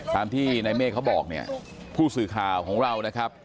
กลับไปคนได้บอกว่าผู้สื่อข่าวของเราน่ะครับ